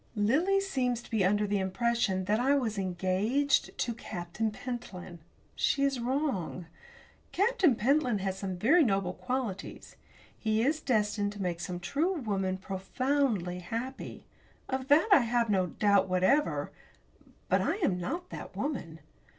Lily seems to be under the impression that I was engaged to Captain Pentland. She is wrong. Captain Pentland has some very noble qualities. He is destined to make some true woman profoundly happy. Of that I have no doubt whatever. But I am not that woman.